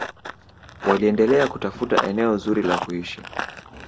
waliendelea kutafuta eneo zuri la kuishi